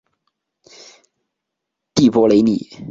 蒂珀雷里。